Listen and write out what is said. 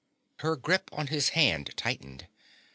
Her grip on his hand tightened.